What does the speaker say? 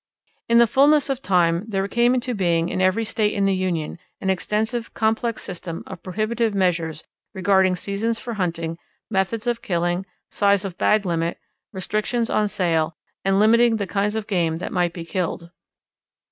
In the fullness of time there came into being in every state in the Union an extensive, complex system of prohibitive measures regarding seasons for hunting, methods of killing, size of bag limit, restrictions on sale, and limiting the kinds of game that might be killed.